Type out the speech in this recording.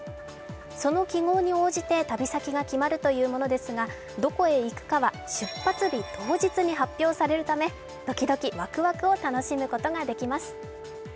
その記号に応じて旅先が決まるというものですが、どこへ行くかは出発日当日に発表されるためドキドキワクワクを楽しむことができます。